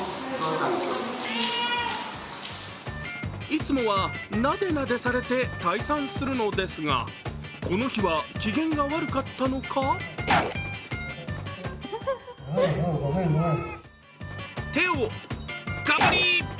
いつもはなでなでされて退散するのですがこの日は機嫌が悪かったのか手をガブリ！